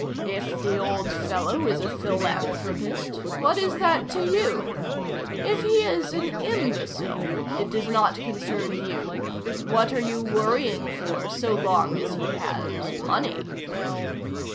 If the old fellow is a philanthropist, what is that to you? If he is an imbecile, it does not concern you. What are you worrying for, so long as he has money?"